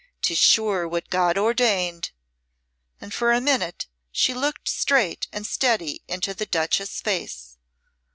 'Tis sure what God ordained." And for a minute she looked straight and steady into the Duchess's face.